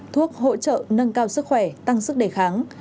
thuốc hỗ trợ nâng cao sức khỏe tăng sức đề kháng